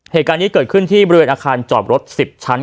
เหตุการณ์นี้เกิดขึ้นที่บริเวณอาคารจอดรถ๑๐ชั้น